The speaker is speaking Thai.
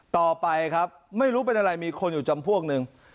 ต่อไปครับไม่รู้เป็นอะไรมีคนอยู่จำพวกหนึ่ง